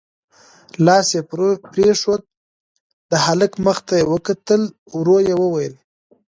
لاس يې پرېښود، د هلک مخ ته يې وکتل، ورو يې وويل: